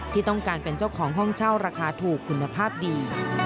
ที่ต้องการเป็นเจ้าของห้องเช่าราคาถูกคุณภาพดี